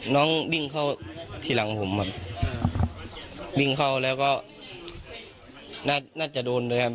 น้องวิ่งเข้าทีหลังผมครับวิ่งเข้าแล้วก็น่าจะโดนด้วยครับ